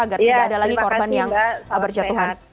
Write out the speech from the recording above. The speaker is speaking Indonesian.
agar tidak ada lagi korban yang berjatuhan